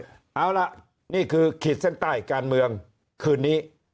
เอาล่ะนี่คือขีดเส้นใต้การเมืองคืนนี้